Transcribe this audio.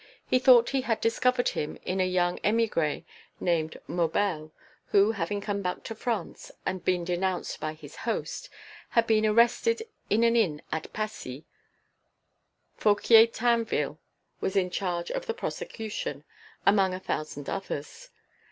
He thought he had discovered him in a young émigré named Maubel, who, having come back to France and been denounced by his host, had been arrested in an inn at Passy; Fouquier Tinville was in charge of the prosecution, among a thousand others.